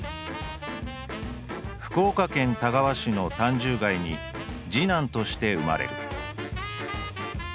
「福岡県田川市の炭住街に次男として生まれる」。